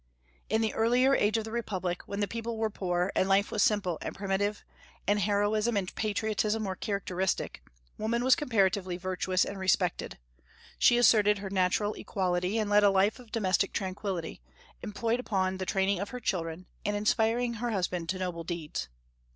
In the earlier age of the republic, when the people were poor, and life was simple and primitive, and heroism and patriotism were characteristic, woman was comparatively virtuous and respected; she asserted her natural equality, and led a life of domestic tranquillity, employed upon the training of her children, and inspiring her husband to noble deeds.